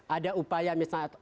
ada upaya misalnya